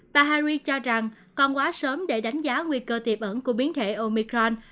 bà harris cho rằng còn quá sớm để đánh giá nguy cơ tiệm ẩn của biến thể omicron